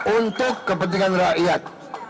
untuk kepentingan rakyat